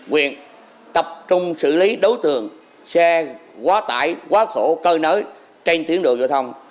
quyền tập trung xử lý đối tượng xe quá tải quá khổ cơ nới trên tuyến đường giao thông